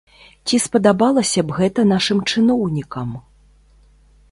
Ці спадабалася б гэта нашым чыноўнікам?